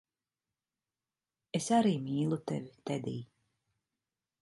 Es arī mīlu tevi, Tedij.